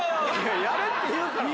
やれっていうから。